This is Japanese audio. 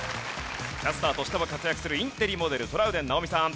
キャスターとしても活躍するインテリモデルトラウデン直美さん。